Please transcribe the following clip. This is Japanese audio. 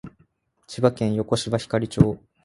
千葉県横芝光町